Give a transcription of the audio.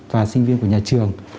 và sinh viên của nhà trường